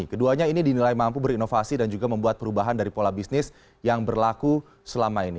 keduanya ini dinilai mampu berinovasi dan juga membuat perubahan dari pola bisnis yang berlaku selama ini